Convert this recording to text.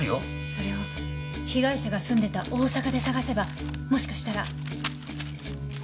それを被害者が住んでた大阪で探せばもしかしたら。